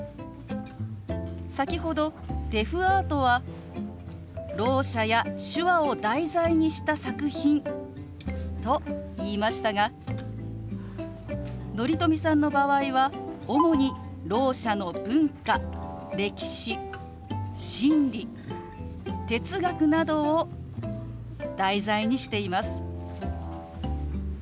先ほどデフアートはろう者や手話を題材にした作品と言いましたが乘富さんの場合は主にろう者の文化歴史心理哲学などを題材にしています。